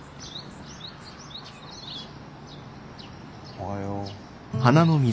おはよう。